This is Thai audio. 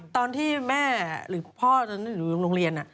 ตอนที่แม่หรือน่าพ่อหรือแล้วถึงโรงเรียน